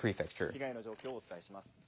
被害の状況をお伝えします。